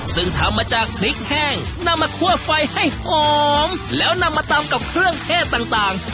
ซึ่งทำมาจากพริกแห้งนำมาคั่วไฟให้หอมแล้วนำมาตำกับเครื่องเทศต่าง